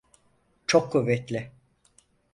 Çok kuvvetli.